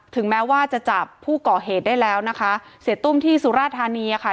แม้ว่าจะจับผู้ก่อเหตุได้แล้วนะคะเสียตุ้มที่สุราธานีค่ะ